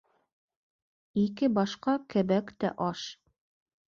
Ике башҡа кәбәк тә аш.